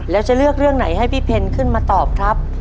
แล้วจะเลือกเรื่องไหนให้พี่เพนขึ้นมาตอบครับ